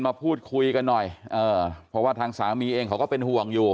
เออเพราะว่าทางสามีเองเขาก็เป็นห่วงอยู่